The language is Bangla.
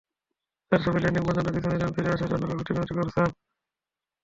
তাঁর স্বামী ল্যান্ডিং পর্যন্ত পিছু নিলেন, ফিরে আসার জন্য কাকুতি-মিনতি করছেন।